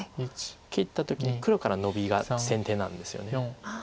切った時に黒からノビが先手なんですよね。